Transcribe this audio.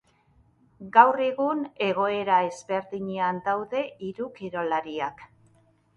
Gaur egun, egoera ezberdinean daude hiru kirolariak.